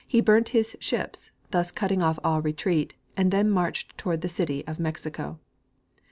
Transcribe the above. He burnt his ships, thus cutting off all retreat, and then marched toward the city of Mexico.